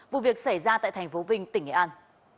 vụ việc xảy ra tại thành phố vinh tỉnh nghệ an